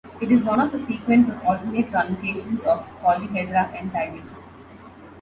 It is one of a sequence of alternate truncations of polyhedra and tiling.